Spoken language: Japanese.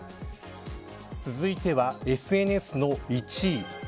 続いてはＳＮＳの１位。